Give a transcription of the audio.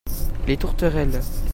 Les tourterelles.